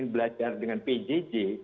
belajar dengan pjj